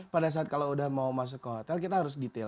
kalau kita sudah mau masuk ke hotel kita harus detail